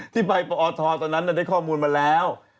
ที่ไปประอทธนตร์ตอนนั้นน่ะได้ข้อมูลมาแล้ว